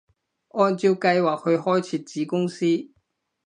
按照計劃去開設子公司